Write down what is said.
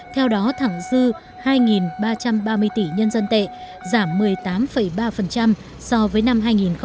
theo đó thẳng dư hai ba trăm ba mươi tỷ nhân dân tệ giảm một mươi tám ba so với năm hai nghìn một mươi bảy